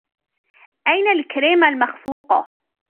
أين الكريمة المخفوقة؟